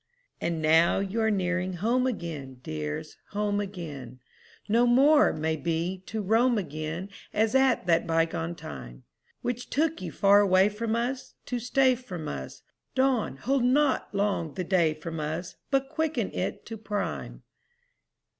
IV And now you are nearing home again, Dears, home again; No more, may be, to roam again As at that bygone time, Which took you far away from us To stay from us; Dawn, hold not long the day from us, But quicken it to prime!